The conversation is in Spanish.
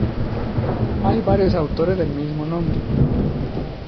Hay varios autores del mismo nombre.